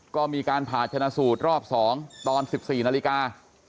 ก็มีการผ่าชนะสูตรรอบ๒ตอน๑๔นาฬิกา